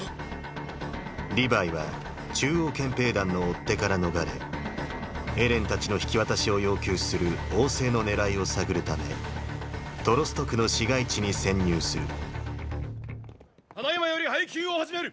リヴァイは中央憲兵団の追っ手から逃れエレンたちの引き渡しを要求する王政の狙いを探るためトロスト区の市街地に潜入するただ今より配給を始める！